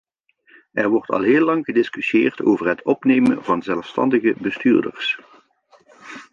Er wordt al heel lang gediscussieerd over het opnemen van zelfstandige bestuurders.